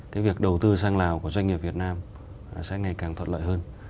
cái việc đầu tư sang lào của doanh nghiệp việt nam sẽ ngày càng thuận lợi hơn